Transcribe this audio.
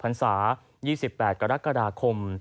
๖๖ภัณฑ์ศาสตร์๒๘กรกฎาคม